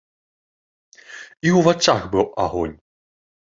І ў вачах быў агонь.